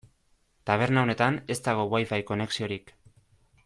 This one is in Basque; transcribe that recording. Taberna honetan ez dago Wi-Fi konexiorik.